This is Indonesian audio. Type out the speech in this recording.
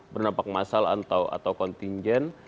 berdampak massal atau kontingen